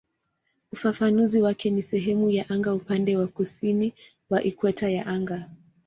Ufafanuzi wake ni "sehemu ya anga upande wa kusini wa ikweta ya anga".